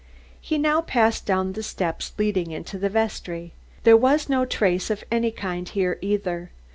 He now passed down the steps leading into the vestry. There was no trace of any kind here either.